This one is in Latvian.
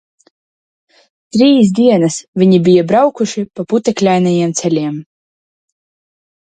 Trīs dienas viņi bija braukuši pa putekļainajiem ceļiem.